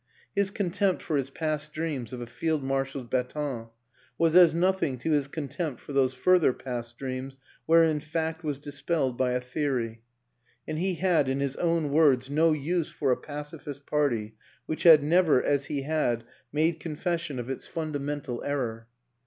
His contempt for his past dreams of a field marshal's baton was as nothing to his contempt for those further past dreams wherein fact was dispelled by a theory; and he had, in his own words, " no use for " a pacifist party which had never, as he had, made confession of its funda WILLIAM AN ENGLISHMAN 265 mental error.